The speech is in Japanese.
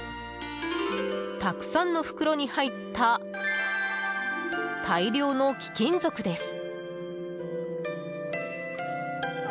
たくさんの袋に入った大量の貴金属です。